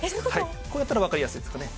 こうやったら分かりやすいですかね。